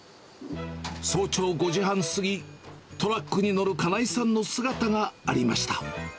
早朝５時半過ぎ、トラックに乗る金井さんの姿がありました。